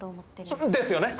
ですよね！